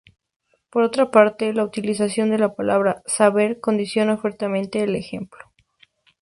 Por otra parte, la utilización de la palabra "saber" condiciona fuertemente el ejemplo.